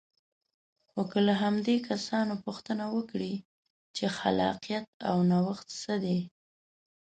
خو که له همدې کسانو پوښتنه وکړئ چې خلاقیت او نوښت څه دی.